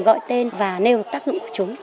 gọi tên và nêu được tác dụng của chúng